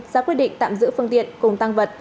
ra quyết định tạm giữ phương tiện cùng tăng vật